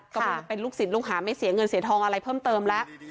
ก็เป็นลูกศิษย์ลูกหาไม่เสียเงินเสียทองอะไรเพิ่มเติมแล้ว